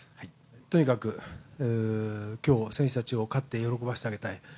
とにかく今日、選手たちを、勝って喜ばせてあげたい。